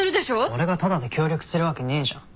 俺がタダで協力するわけねえじゃん。